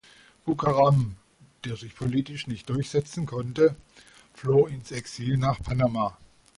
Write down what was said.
Bucaram, der sich politisch nicht durchsetzen konnte, floh ins Exil nach Panama.